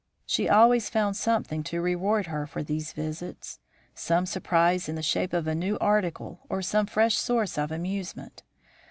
"She always found something to reward her for these visits; some surprise in the shape of a new article or some fresh source of amusement.